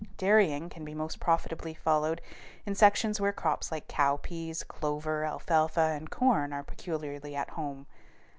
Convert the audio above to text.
Dairying can be most profitably followed in sections where crops like cowpeas, clover, alfalfa, and corn are peculiarly at home.